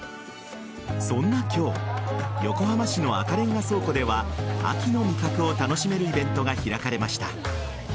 そんな今日横浜市の赤レンガ倉庫では秋の味覚を楽しめるイベントが開かれました。